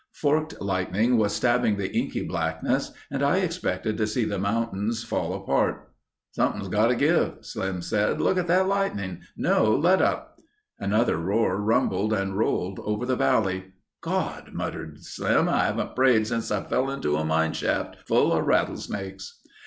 Forked lightning was stabbing the inky blackness and I expected to see the mountains fall apart. "Something's got to give," Slim said. "Look at that lightning ... no letup." Another roar rumbled and rolled over the valley. "God—" muttered Slim, "I haven't prayed since I fell into a mine shaft full of rattlesnakes."